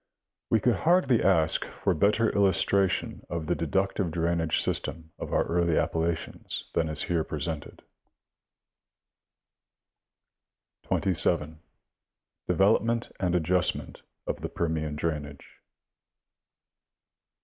* We could hardly ask for better illustration of the deductive drainage system of our early Appalachians than is here presented. 27. Development and adjustment of the Perm, ian drainage.